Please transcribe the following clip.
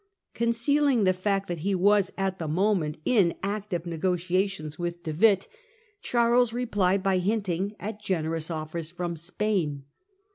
Concealing the fact that he was at the moment in active negotiation with De Witt, Charles replied by hinting at generous offers from Spain.